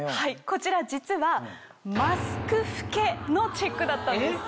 こちら実は。のチェックだったんです。